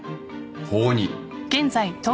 法に。